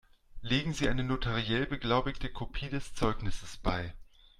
Legen Sie eine notariell beglaubigte Kopie des Zeugnisses bei.